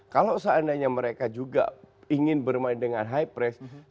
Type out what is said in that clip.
kalau seandainya mereka juga ingin bermain dengan high press